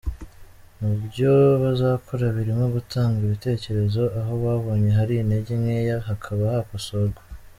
Mu byo bazakora birimo gutanga ibitekerezo aho babonye hari intege nkeya hakaba hakosorwa.